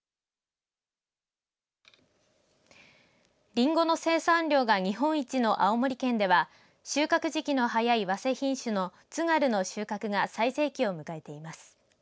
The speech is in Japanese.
りんごの生産量が日本一の青森県では収穫時期の早い早生品種のつがるの収穫が最盛期を迎えています。